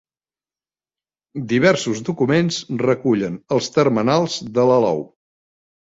Diversos documents recullen els termenals de l'alou.